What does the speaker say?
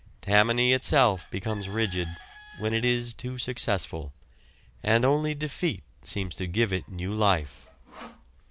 Tammany itself becomes rigid when it is too successful, and only defeat seems to give it new life.